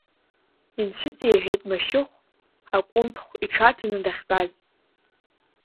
Инцәыҵеиҳәеит Машьыхә акәындхә иҽаҭаны дахьтәаз.